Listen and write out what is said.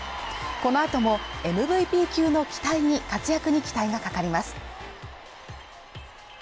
この後もＭＶＰ級の活躍に期待がかかります。